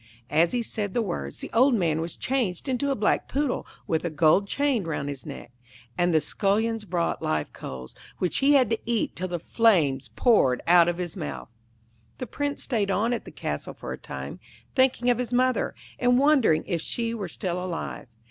As he said the words, the old man was changed into a black Poodle, with a gold chain round his neck; and the scullions brought live coals, which he had to eat till the flames poured out of his mouth. The Prince stayed on at the castle for a time, thinking of his mother, and wondering if she were still alive.